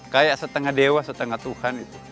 kayak setengah dewa setengah tuhan